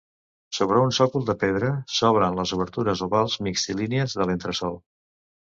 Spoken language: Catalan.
Sobre un sòcol de pedra s'obren les obertures ovals mixtilínies de l'entresòl.